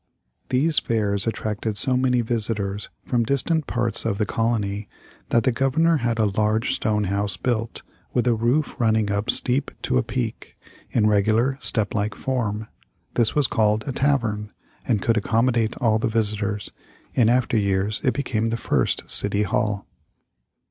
These fairs attracted so many visitors from distant parts of the colony, that the Governor had a large stone house built, with a roof running up steep to a peak, in regular, step like form. This was called a tavern, and could accommodate all the visitors. In after years it became the first City Hall.